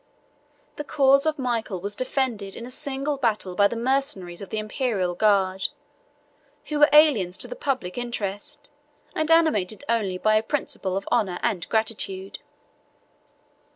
The cause of Michael was defended in a single battle by the mercenaries of the Imperial guard, who were aliens to the public interest, and animated only by a principle of honor and gratitude.